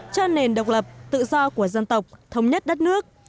cho nền độc lập tự do của dân tộc thống nhất đất nước